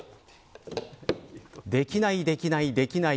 できない、できない、できない。